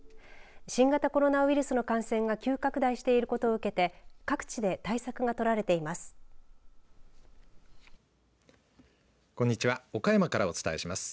新型コロナウイルスの感染が急拡大していることを受けて各地で対策が取られています。